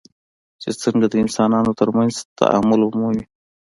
چې څنګه د انسانانو ترمنځ تعامل ومومي.